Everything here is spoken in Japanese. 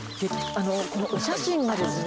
このお写真がですね